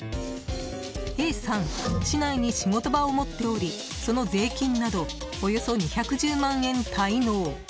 Ａさん、市内に仕事場を持っておりその税金などおよそ２１０万円滞納。